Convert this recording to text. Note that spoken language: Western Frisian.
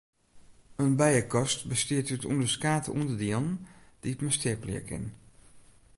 In bijekast bestiet út ûnderskate ûnderdielen dy't men steapelje kin.